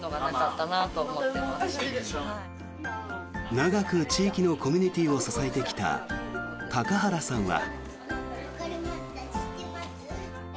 長く地域のコミュニティーを支えてきた高原さんは。